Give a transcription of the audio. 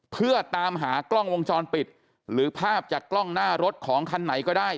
เพื่อตามหากล้องวงจรปิดหรือภาพจากกล้องหน้ารถของคันไหนก็ได้